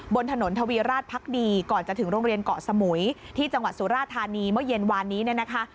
บนถนนทวีราชพักดีก่อนจะถึงโรงเรียนเกาะสมุยที่จังหวัดสุราธานีเมื่อเย็นวานนี้เนี่ยนะคะ